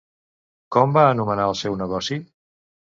Com va anomenar el seu negoci?